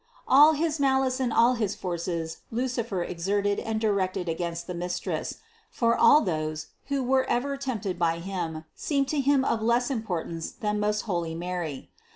All his malice and all his forces Lucifer exerted and directed against the Mistress; for all those, who were ever tempted by him, seemed to him of less importance than most holy Mary.